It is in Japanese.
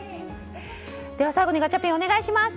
では最後にガチャピンお願いします。